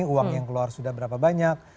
uang yang keluar sudah berapa banyak